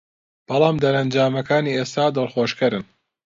بەڵام دەرەنجامەکانی ئێستا دڵخۆشکەرن